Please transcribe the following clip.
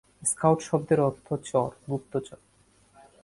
Scout শব্দের অর্থ চর, গুপ্তচর।